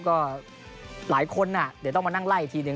ก็หลายคนน่ะเดี๋ยวต้องมานั่งไล่ทีนึง